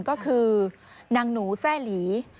ก็คือนางหนูแซ่หลี